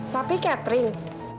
pak fi catering